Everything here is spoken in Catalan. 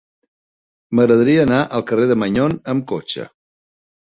M'agradaria anar al carrer de Maignon amb cotxe.